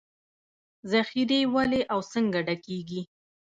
ذخیرې ولې او څنګه ډکېږي